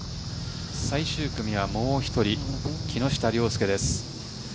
最終組は、もう１人木下稜介です。